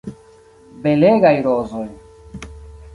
Belegaj rozoj.